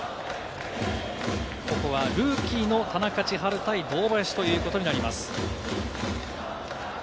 ここはルーキーの田中千晴対堂林ということになります。